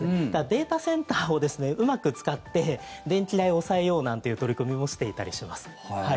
データセンターをうまく使って電気代を抑えようなんていう取り組みもしていたりします。